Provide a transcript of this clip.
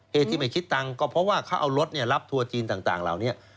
เหตุที่ไม่คิดตังค์ก็เพราะว่าเขาเอารถรับทัวร์จีนต่างเหล่านี้